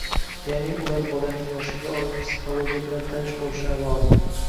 ya’ni ular bolaning yoshiga oid psixologiya bilan tanish bo‘lishlari zarur.